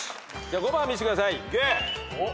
５番見せてください。